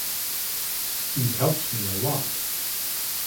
He helped me a lot.